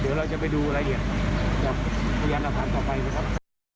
เดี๋ยวเราจะไปดูรายละเอียดกับพยานหลักฐานต่อไปนะครับ